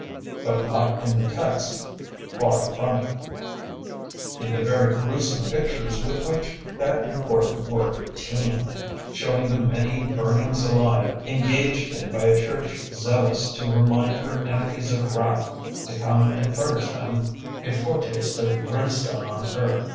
But not in the text, far from it ; in the very gruesome pictures with which that important work teemed, showing the many burnings alive en gaged in by a church zealous to re mind her enemies of wrath to come and furnish them a foretaste of brim stone on earth.